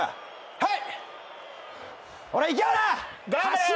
はい。